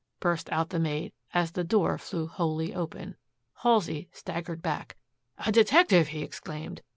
burst out the maid as the door flew wholly open. Halsey staggered back. "A detective!" he exclaimed.